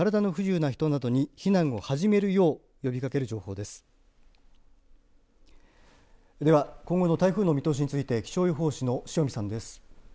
では今後の台風の見通しについて気象予報士の塩見さんです。